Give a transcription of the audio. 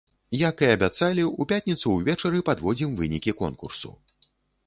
Як і абяцалі, у пятніцу ўвечары падводзім вынікі конкурсу.